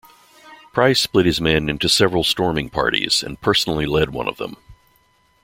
Price split his men into several storming parties and personally led one of them.